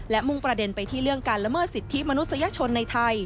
และมุ่งประเด็นไปที่เรื่องการละเมิดสิทธิมนุษยชนในไทย